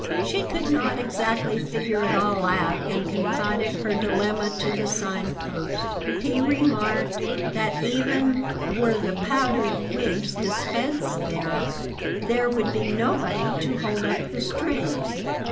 She could not exactly figure it all out and confided her dilemma to the Sign Post. He remarked that even were the powdered wigs dispensed with, there would be nobody to hold up the strings.